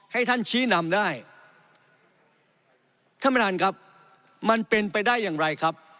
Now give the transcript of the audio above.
ให้ท่านชี้นำได้ท่านประธานครับมันเป็นไปได้อย่างไรครับ